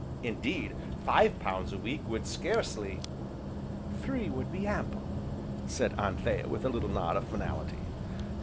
Indeed, five pounds a week would scarcely " "Three would be ample!" said Anthea with a little nod of finality.